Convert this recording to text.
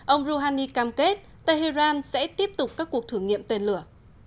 ông rohani cam kết tehran sẽ tiếp tục các cuộc thử nghiệm tên lửa